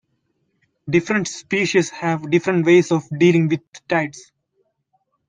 Different species have different ways of dealing with tides.